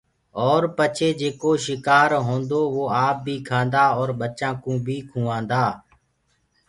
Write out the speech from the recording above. اور پچي جيڪو شڪآر هوندو وو آپ بي کآندآ اور ٻچآنٚ ڪوُ بي کُوآندآ۔